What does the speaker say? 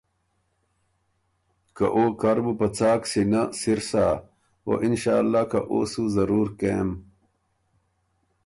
که ”او کر بُو په څاک سینۀ سِر سۀ او انشأللّه که او سُو ضرور کېم“